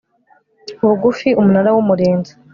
bugufi Umunara w Umurinzi